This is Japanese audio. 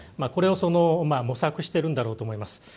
これを模索しているんだろうと思います。